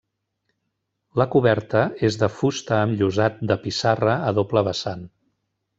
La coberta és de fusta amb llosat de pissarra a doble vessant.